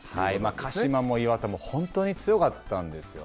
鹿島も磐田も、本当に強かったんですよね。